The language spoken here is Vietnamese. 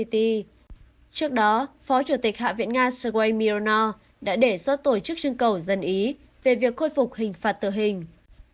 trước đó phó chủ tịch hạ viện nga sergei mironov đã đề xuất tổ chức chương cầu dân ý về việc khôi phục hình phạt tử hình